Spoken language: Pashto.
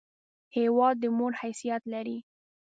هېواد د مور حیثیت لري!